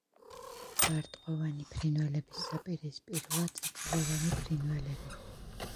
ბარტყოვანი ფრინველების საპირისპიროა წიწილოვანი ფრინველები.